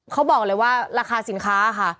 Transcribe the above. เขาบอกเลยว่าราคาสินค้าค่ะ